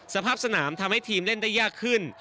สภาพสนามทำให้ทีมเล่นได้ยากขึ้น